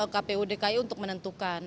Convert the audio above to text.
kpu dki untuk menentukan